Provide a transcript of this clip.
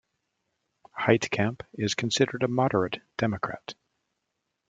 Heitkamp is considered a moderate Democrat.